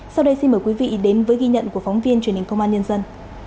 sau đây xin mời quý vị đến với ghi nhận của phóng viên truyền hình công an nhân dân